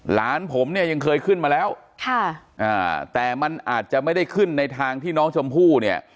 หลานผมเนี่ยยังเคยขึ้นมาแล้วค่ะอ่าแต่มันอาจจะไม่ได้ขึ้นในทางที่น้องชมพู่เนี่ย